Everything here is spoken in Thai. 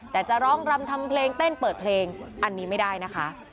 แต่จะร้องรำทำเพลงเต้นเปิดเพลงอันนี้ไม่ได้นะคะ